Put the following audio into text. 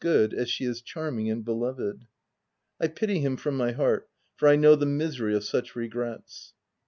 good as she is charming and be loved. I pity him from my heart, for I know the misery of such regrets.